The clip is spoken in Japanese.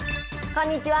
こんにちは。